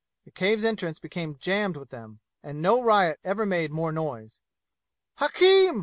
The cave's entrance became jammed with them, and no riot ever made more noise. "Hakim!